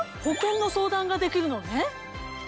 保険の相談ができるのね。